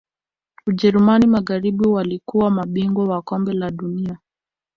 ujerumani magharibi walikuwa mabingwa wa kombe la dunia